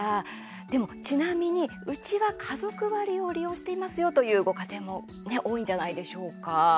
でも、ちなみに、うちは家族割を利用してますよというご家庭も多いんじゃないでしょうか。